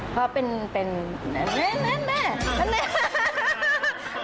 เขาเป็นเป็นแม่แม่แม่แม่